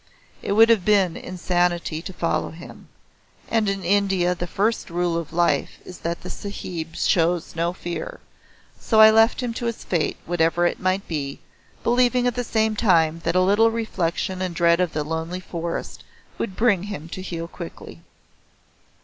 It would have been insanity to follow him, and in India the first rule of life is that the Sahib shows no fear, so I left him to his fate whatever it might be, believing at the same time that a little reflection and dread of the lonely forest would bring him to heel quickly.